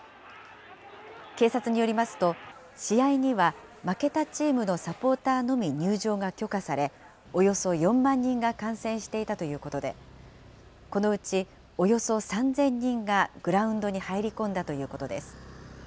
警察によりますと、試合には負けたチームのサポーターのみ、入場が許可され、およそ４万人が観戦していたということで、このうちおよそ３０００人がグラウンドに入り込んだということです。